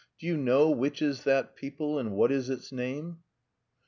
Do you know which is that people and what is its name?"